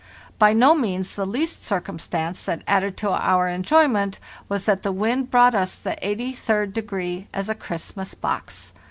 By no means the least circumstance that added to our enjoyment was that the wind brought us the 83d degree as a Christmas box.